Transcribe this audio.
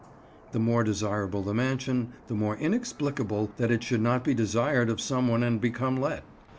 The more desirable the mansion, the more inexplicable that it should not be desired of some one and become let.